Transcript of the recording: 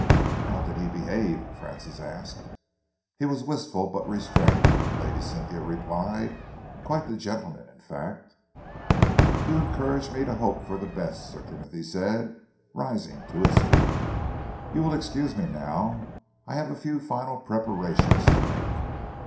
"How did he behave?" Francis asked. "He was wistful but restrained," Lady Cynthia replied, "quite the gentleman, in fact." "You encourage me to hope for the best," Sir Timothy said, rising to his feet. "You will excuse me now? I have a few final preparations to make."